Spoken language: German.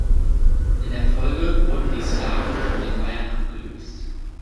In der Folge wurden die Slawen von den Bayern abgelöst.